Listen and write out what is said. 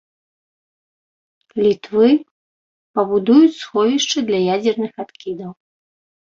Літвы, пабудуюць сховішча для ядзерных адкідаў.